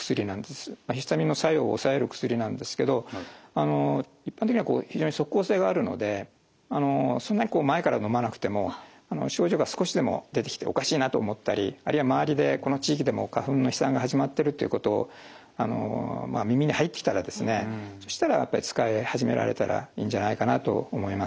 ヒスタミンの作用を抑える薬なんですけど一般的には非常に即効性があるのでそんなに前からのまなくても症状が少しでも出てきておかしいなと思ったりあるいは周りでこの地域でもう花粉の飛散が始まってるということを耳に入ってきたらですねそしたら使い始められたらいいんじゃないかなと思います。